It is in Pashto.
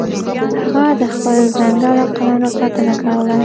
هغه د خپل ځنګل او قلمرو ساتنه کوله.